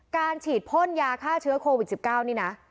การฉีดพ่นยาฆ่าเชื้อโควิด๑๙นี่นะ